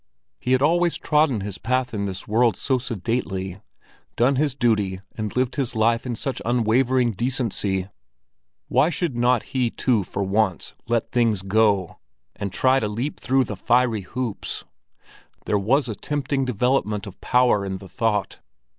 He had always trodden his path in this world so sedately, done his duty and lived his life in such unwavering decency. Why should not he too for once let things go, and try to leap through the fiery hoops? There was a tempting development of power in the thought.